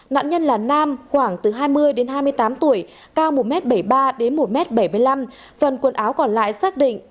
nạn nhân là nam khoảng từ hai mươi đến hai mươi tám tuổi cao một m bảy mươi ba đến một m bảy mươi năm phần quần áo còn lại xác định